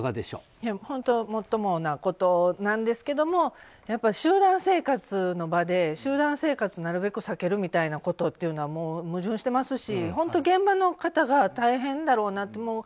もっともなことなんですけど集団生活の場で集団生活をなるべく避けるみたいなことっていうのは矛盾してますし、現場の方が大変だろうなと。